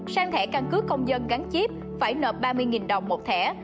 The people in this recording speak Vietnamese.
sang thẻ căn cứ công dân gắn chiếp phải nợ ba mươi đồng một thẻ